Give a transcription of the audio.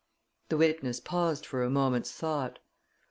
The witness paused for a moment's thought.